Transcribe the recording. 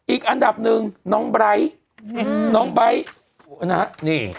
อีกอันดับหนึ่งน้องไบร์ทน้องไบท์นะฮะนี่